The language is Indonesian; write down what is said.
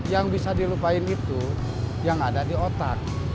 yang bisa dilupain itu yang ada di otak